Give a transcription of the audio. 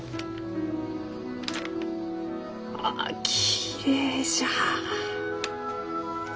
ああきれいじゃ。